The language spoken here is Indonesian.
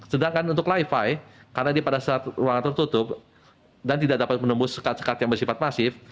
sedangkan untuk li fi karena dia pada saat ruangan tertutup dan tidak dapat menembus sekat sekat yang bersifat masif